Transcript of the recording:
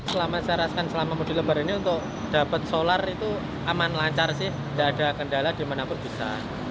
selama saya rasakan selama mudik lebaran ini untuk dapat solar itu aman lancar sih tidak ada kendala dimanapun bisa